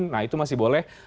nah itu masih boleh